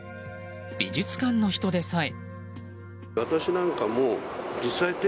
美術館の人でさえ。